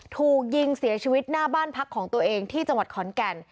ถูกยิงเสียชีวิตหน้าบ้านพักของตัวเองที่จังหวัดขอนแก่น